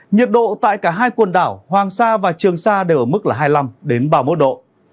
nhiệt độ tại cả hai quần đảo hoàng sa và trường sa đều ở mức là hai mươi năm ba mươi một độ